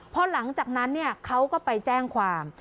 พอหลังจากนั้นเขาก็ไปแจ้งความ